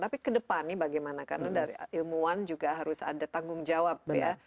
tapi ke depan nih bagaimana karena dari ilmuwan juga harus ada tanggung jawab